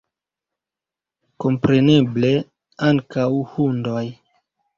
Kompreneble, ankaŭ hundoj.